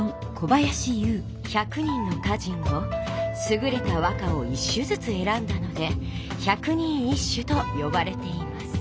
１００人の歌人のすぐれた和歌を一首ずつえらんだので「百人一首」とよばれています。